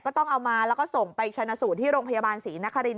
ต้องเอามาแล้วก็ส่งไปชนะสูตรที่โรงพยาบาลศรีนครินท